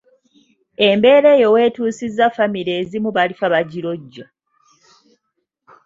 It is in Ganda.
Embeera eyo wetuusizza famire ezimu balifa bakirojja!